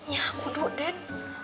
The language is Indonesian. ya kuduk den